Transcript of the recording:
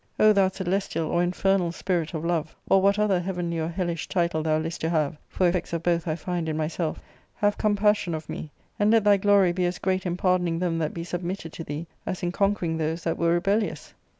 " O thou celestial or infernal spirit of love, or what other heavenly or hellish title thou list to have (for effects of both I find in myself), have compassion of me, and let thy g^ory be as great in pardoning them that be submitted to thee as in conquering those that were rebellious."